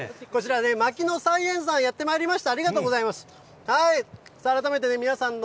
こちら、まきの菜園さん、やってまいりました。